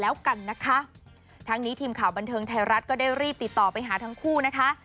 แล้วกันนะคะทั้งนี้ทีมข่าวบันเทิงไทยรัฐก็ได้รีบติดต่อไปหาทั้งคู่นะคะ